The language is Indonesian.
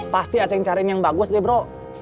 pasti acing cariin yang bagus deh bro